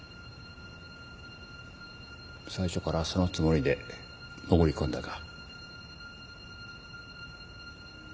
最初からそのつもりで潜り込んだか。